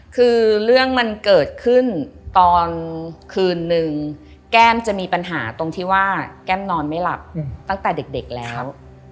คือเรื่องมันเกิดขึ้นตอนคืนนึงแก้มจะมีปัญหาตรงที่ว่าแก้มนอนไม่หลับตั้งแต่เด็กแล้ว